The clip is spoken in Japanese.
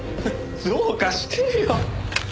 どうかしてるよ。